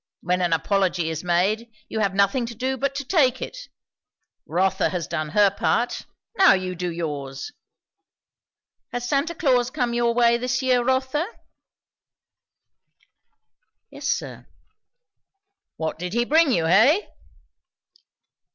When an apology is made, you have nothing to do but to take it. Rotha has done her part; now you do yours. Has Santa Claus come your way this year, Rotha?" "Yes, sir." "What did he bring you, hey?"